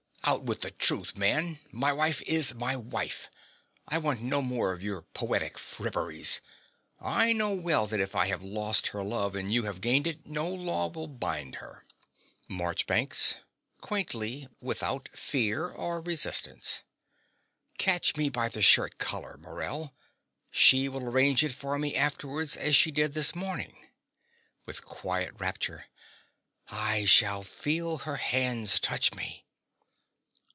Out with the truth, man: my wife is my wife: I want no more of your poetic fripperies. I know well that if I have lost her love and you have gained it, no law will bind her. MARCHBANKS (quaintly, without fear or resistance). Catch me by the shirt collar, Morell: she will arrange it for me afterwards as she did this morning. (With quiet rapture.) I shall feel her hands touch me.